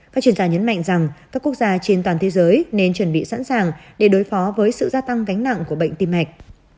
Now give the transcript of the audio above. các chuyên gia nhấn mạnh rằng các quốc gia trên toàn thế giới nên chuẩn bị sẵn sàng để đối phó với sự gia tăng gánh nặng của bệnh tim mạch